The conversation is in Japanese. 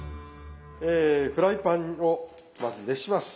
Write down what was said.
えフライパンをまず熱します。